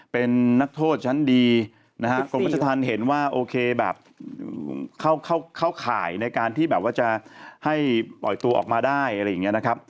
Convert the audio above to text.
เป็นนักโทษชั้นดีนะฮะกรมราชธรรมเห็นว่าโอเคแบบเข้าข่ายในการที่แบบว่าจะให้ปล่อยตัวออกมาได้อะไรอย่างนี้นะครับ